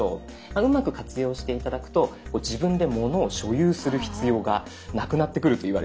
うまく活用して頂くと自分で物を所有する必要がなくなってくるといわれています。